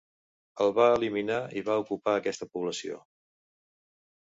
El va eliminar i va ocupar aquesta població.